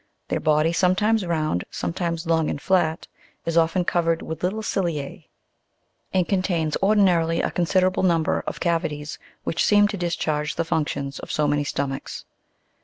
Their body, sometimes round, sometimes long and flat, is often covered with little cilise, and contains ordinarily a considerable number of cavities, which seem to discharge the functions of so many stomachs.